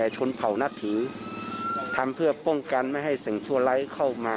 เจนนะคะ